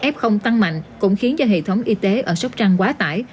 f tăng mạnh cũng khiến do hệ thống y tế ở sốc trăng quá tải